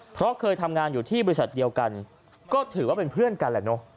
เพราะเคยทำงานอยู่ที่บริษัทเดียวกันก็ถือว่าเป็นเพื่อนกันแหละเนอะ